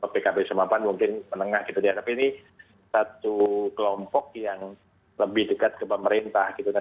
pkb sama pan mungkin menengah gitu dianggap ini satu kelompok yang lebih dekat ke pemerintah gitu kan